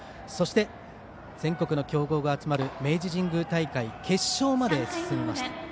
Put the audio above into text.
そして、全国の強豪が集まる明治神宮大会の決勝まで進みました。